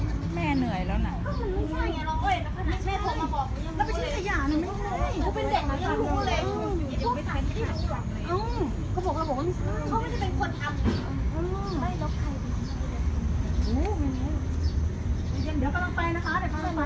อืมไม่แล้วใครโอ้เฮ้ยเดี๋ยวกำลังไปนะคะเดี๋ยวกำลังไปเดี๋ยวกำลังไปแล้วน่ะ